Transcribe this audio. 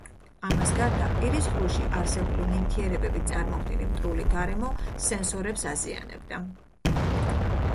ამას გარდა, პირის ღრუში არსებული ნივთიერებებით წარმოქმნილი მტრული გარემო სენსორებს აზიანებდა.